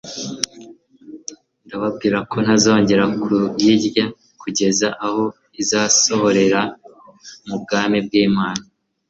Ndababwira ko ntazongera kuyirya kugeza aho izasohorera mu bwami bw'Imana